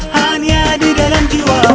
hanya di dalam jiwamu